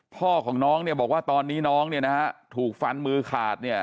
พ่อของน้องบอกว่าตอนนี้น้องถูกฟันมือขาด